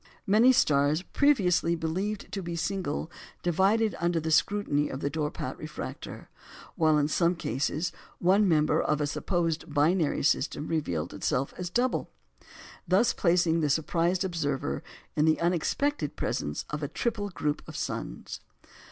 Many stars previously believed to be single divided under the scrutiny of the Dorpat refractor; while in some cases, one member of a supposed binary system revealed itself as double, thus placing the surprised observer in the unexpected presence of a triple group of suns.